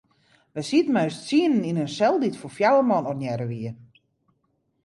Wy sieten mei ús tsienen yn in sel dy't foar fjouwer man ornearre wie.